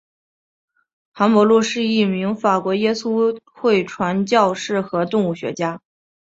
韩伯禄是一名法国耶稣会传教士和动物学家。